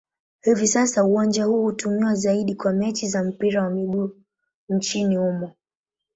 Hivi sasa uwanja huu hutumiwa zaidi kwa mechi za mpira wa miguu nchini humo.